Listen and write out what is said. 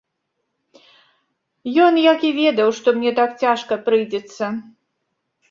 Ён як і ведаў, што мне так цяжка прыйдзецца.